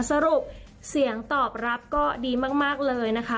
สรุปเสียงตอบรับก็ดีมากเลยนะคะ